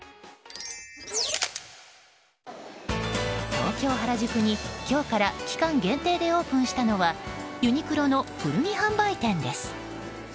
東京・原宿に今日から期間限定でオープンしたのはユニクロの古着販売店です。